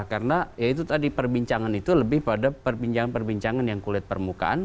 karena ya itu tadi perbincangan itu lebih pada perbincangan perbincangan yang kulit permukaan